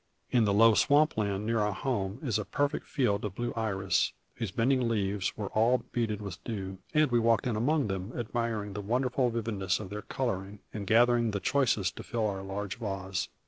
In the low swamp land near our home is a perfect field of blue iris, whose bending leaves were all beaded with dew; and we walked in among them, admiring the wonderful vividness of their coloring, and gathering the choicest to fill a large vase.